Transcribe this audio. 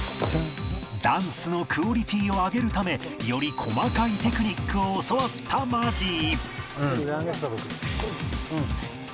ダンスのクオリティーを上げるためより細かいテクニックを教わったマジー